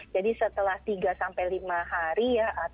jadi setelah tiga lima hari ya